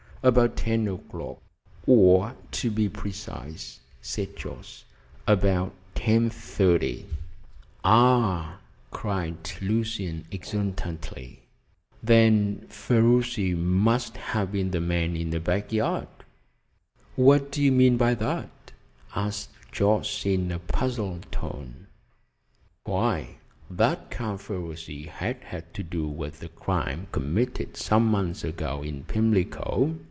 "About ten o'clock, or, to be precise," said Jorce, "about ten thirty." "Ah!" cried Lucian exultantly, "then Ferruci must have been the man in the back yard!" "What do you mean by that?" asked Jorce in a puzzled tone. "Why, that Count Ferruci has had to do with a crime committed some months ago in Pimlico.